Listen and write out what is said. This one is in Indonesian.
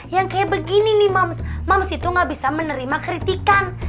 yang kayak begini nih moms itu gak bisa menerima kritikan